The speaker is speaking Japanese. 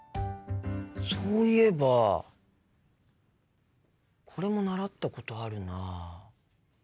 そういえばこれも習ったことあるな。